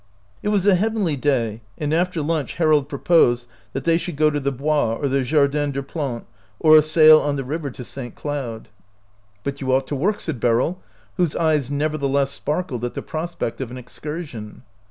It was a heavenly day, and after lunch Harold proposed that they should go to the Bois or the Jardin des Plantes, or a sail on the river to St. Cloud. 83 OUT OF BOHEMIA "But you ought to work," said Beryl, whose eyes nevertheless sparkled at the prospect of an excursion.